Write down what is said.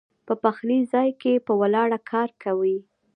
پۀ پخلي ځائے کښې پۀ ولاړه کار کوي